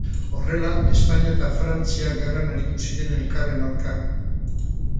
Horrela, Espainia eta Frantzia gerran aritu ziren elkarren aurka.